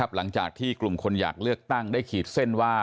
หลังจากที่กลุ่มคนอยากเลือกตั้งได้ขีดเส้นว่า